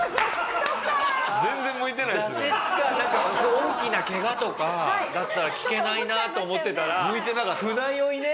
大きなケガとかだったら聞けないなと思ってたら船酔いね。